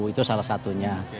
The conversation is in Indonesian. itu salah satunya